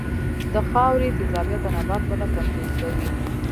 د خاورې تیزابیت د نبات وده کمزورې کوي.